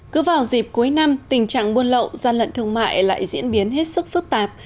cứ vào dịp cuối năm tình trạng buôn lậu gian lận thương mại lại diễn biến hết sức phức tạp